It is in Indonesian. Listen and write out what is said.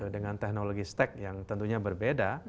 dengan teknologi stek yang tentunya berbeda